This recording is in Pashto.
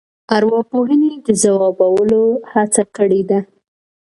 ارواپوهنې د ځوابولو هڅه کړې ده.